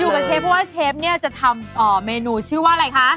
กับเชฟเพราะว่าเชฟเนี่ยจะทำเมนูชื่อว่าอะไรคะ